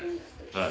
はい。